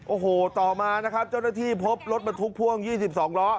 โอ้โหต่อมานะครับเจ้าหน้าที่พบรถบรรทุกพ่วง๒๒ล้อ